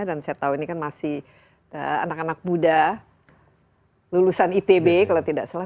dan saya tahu ini kan masih anak anak muda lulusan itb kalau tidak salah